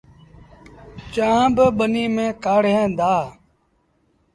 چآنه با ٻنيٚ ميݩ ڪآڙوهيݩ دآ۔